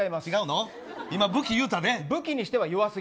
今、武器言うたで。